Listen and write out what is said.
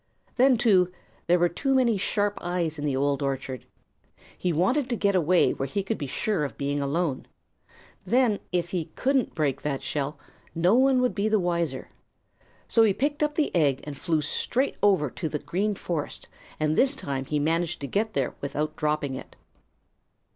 Then, too, there were too many sharp eyes in the Old Orchard. He wanted to get away where he could be sure of being alone. Then if he couldn't break that shell, no one would be the wiser. So he picked up the egg and flew straight over to the Green Forest, and this time he managed to get there without dropping it.